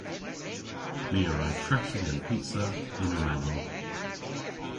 My a wra treghi an pizza yn rannow.